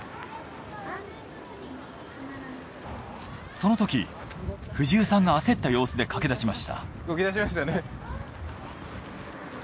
そのとき藤生さんが焦った様子で駆け出しました。